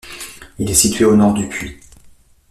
Il est situé au nord du puits.